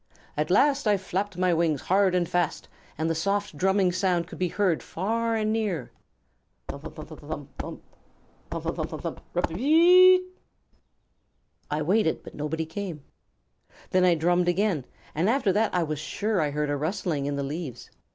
"At last I flapped my wing's hard and fast, and the soft drumming sound could be heard far and near. 'Thump thump thump thump thump; thump thump rup rup rup rup r r r r r r r r r.' I waited, but nobody came. Then I drummed again, and after that I was sure that I heard a rustling in the leaves.